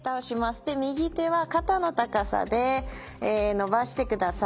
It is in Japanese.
で右手は肩の高さで伸ばしてください。